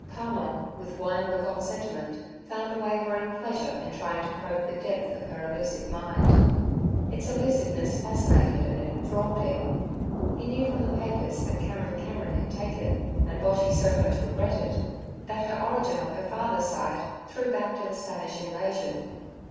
Palmer, with wine begot sentiment, found a wavering pleasure in trying to probe the depth of her elusive mind; its elusiveness fascinated and enthralled him. He knew from the papers that Cameron Cameron had taken, and Boshy so much regretted, that her origin on her father's side threw back to the Spanish invasion.